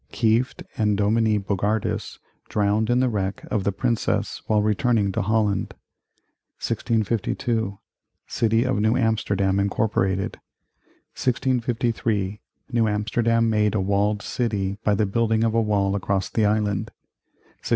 Kieft and Dominie Bogardus drowned in the wreck of the Princess while returning to Holland 1652. City of New Amsterdam incorporated 1653. New Amsterdam made a walled city by the building of a wall across the island 1655.